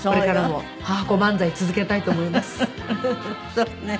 そうね。